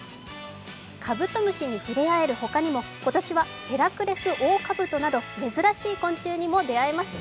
カブトムシにふれあえる他にも今年はヘラクレスオオカブトなど珍しい昆虫にも出会えます。